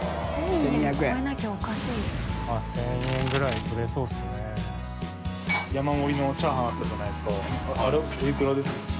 １０００円ぐらい取れそうですね。